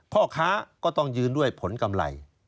ข้าราชการต้องยืนด้วยผลกำไร